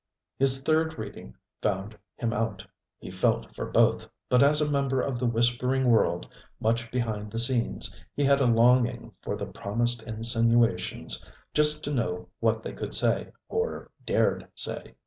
His third reading found him out: he felt for both, but as a member of the whispering world, much behind the scenes, he had a longing for the promised insinuations, just to know what they could say, or dared say.